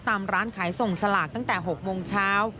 ตามร้านขายส่งสลากตั้งแต่๖โมงเช้า